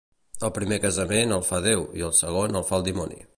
El primer casament el fa Déu i, el segon, el fa el dimoni.